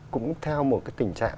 cũng theo một cái tình trạng